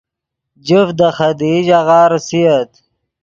جفت دے خدیئی ژاغہ ریسییت